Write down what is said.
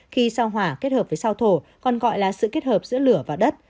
khi sao hỏa kết hợp với sau thổ còn gọi là sự kết hợp giữa lửa và đất